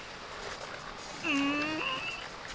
うん。